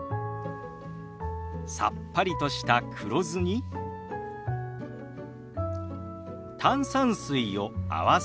さっぱりとした黒酢に炭酸水を合わせ